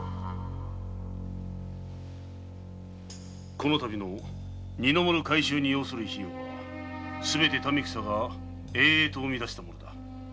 このたびの二の丸改修に要する費用はすべて民草が営々と産み出したものだ。